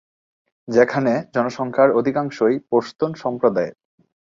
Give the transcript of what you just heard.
যেখানে জনসংখ্যার অধিকাংশই পশতুন সম্প্রদায়ের।